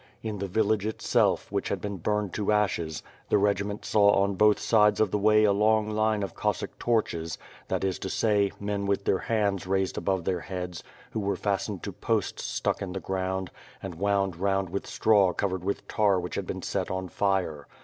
In the village itself, which had been burned to ashes, the regiment saw on bx>th sides of the way a long line of Cossack torches, that is to say, men with their hands raised above their heads, who were fastened to posts stuck in the ground, and wound round with straw covered with tar which had been set on fire.